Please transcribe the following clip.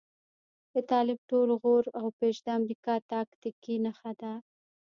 د طالب ټول غور او پش د امريکا تاکتيکي نښه ده.